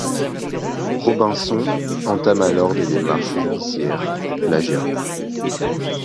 Robinson entame alors des démarches judiciaires pour plagiat.